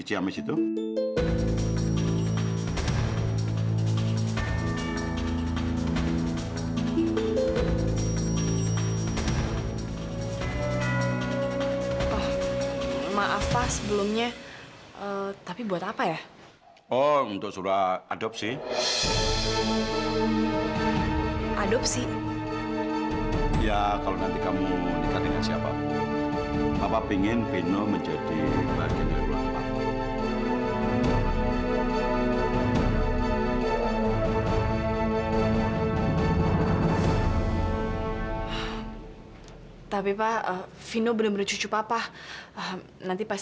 hanya ikut ikutan ditunjuk